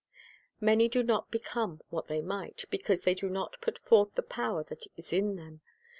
Many do not become what they might, because they do not put forth the power that is in them.